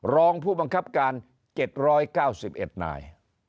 รองผู้บังคับการ๗๙๑นาย